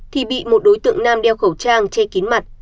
thì bị một đối tượng nam đeo khẩu trang che kín mặt